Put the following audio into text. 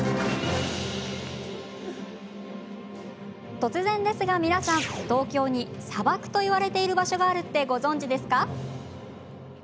突然ですが皆さん東京に砂漠といわれている場所があるってご存じですか？